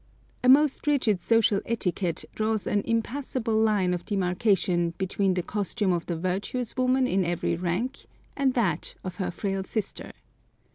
A most rigid social etiquette draws an impassable line of demarcation between the costume of the virtuous woman in every rank and that of her frail sister.